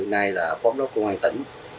nay là phóng đốc công an tỉnh